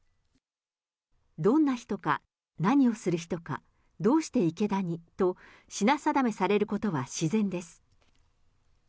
どんな人か、何をする人か、どうして池田にと、品定めされることは自然です。